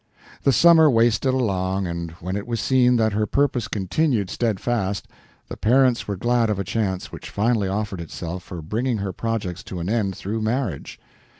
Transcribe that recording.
The summer wasted along; and when it was seen that her purpose continued steadfast, the parents were glad of a chance which finally offered itself for bringing her projects to an end through marriage.